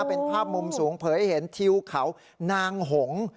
เป็นภาพมุมสูงเผยให้เห็นทิวเขานางหง